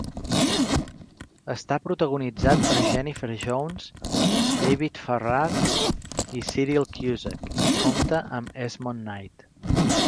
Està protagonitzat per Jennifer Jones, David Farrar i Cyril Cusack i compta amb Esmond Knight.